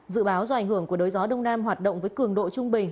dự báo do ảnh hưởng của đới gió đông nam hoạt động với cường độ trung bình